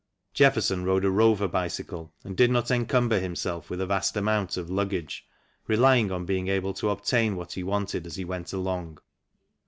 Jefferson rode a Rover bicycle and did not encumber himself with a vast amount of luggage, relying on being able to obtain what he wanted as he went along.